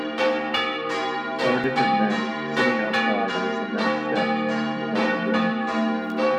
Four different men sitting outside on cement steps in front of a building